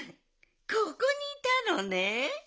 ここにいたのね。